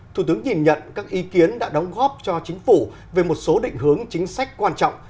thủ tướng nhìn nhận các ý kiến đã đóng góp cho chính phủ về một số định hướng chính sách quan trọng